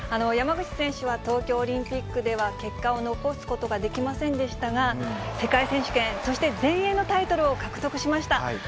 山口選手は東京オリンピックでは結果を残すことができませんでしたが、世界選手権、そして全英のタイトルを獲得しました。